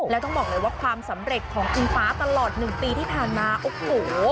แล้วต้องบอกเลยว่าความสำเร็จของอิงฟ้าตลอด๑ปีที่ผ่านมาโอ้โห